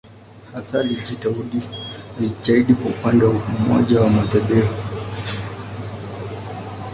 Hasa alijitahidi upande wa umoja wa madhehebu.